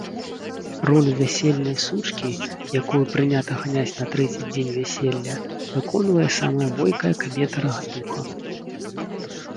Ролю вясельнай сучкі, якую прынята ганяць на трэці дзень вяселля, выконвае самая бойкая кабета-рагатуха.